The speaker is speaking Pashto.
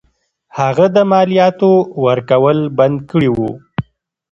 هغه د مالیاتو ورکول بند کړي وه.